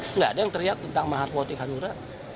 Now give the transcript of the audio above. tidak ada yang teriak tentang mahar politik hanura